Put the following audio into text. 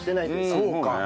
そうか。